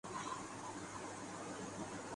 نہ مری جاں